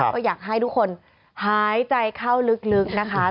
ก็อยากให้ทุกคนหายใจเข้าลึกนะคะ